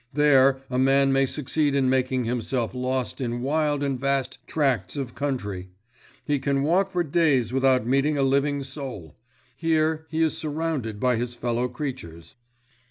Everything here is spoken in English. There, a man may succeed in making himself lost in wild and vast tracts of country. He can walk for days without meeting a living soul. Here he is surrounded by his fellow creatures."